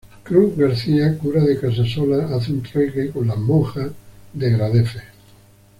Cruz García, cura de Casasola, hace un trueque con las monjas de Gradefes.